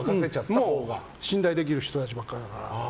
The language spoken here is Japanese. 信頼できる人ばかりだから。